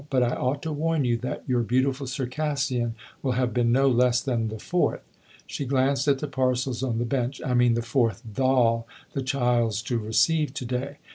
But I ought to warn you that your beautiful Circassian will have been no less than the fourth." She glanced at the parcels on the bench. " I mean the fourth doll the child's to receive to day."